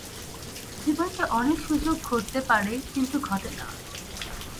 জীবনে অনেক সুযোগ ঘটতে পারে কিন্তু ঘটে না।